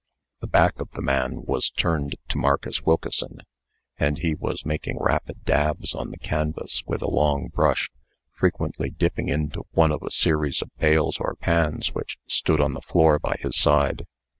The back of the man was turned to Marcus Wilkeson, and he was making rapid dabs on the canvas with a long brush, frequently dipping into one of a series of pails or pans which stood on the floor by his side.